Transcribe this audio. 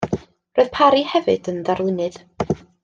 Roedd Parry hefyd yn ddarlunydd.